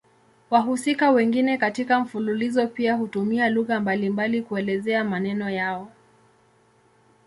Wahusika wengine katika mfululizo pia hutumia lugha mbalimbali kuelezea maneno yao.